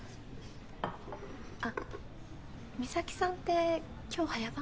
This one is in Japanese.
あっ美咲さんって今日早番？